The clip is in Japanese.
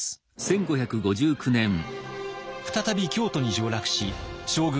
再び京都に上洛し将軍